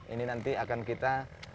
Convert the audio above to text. ini nanti akan kita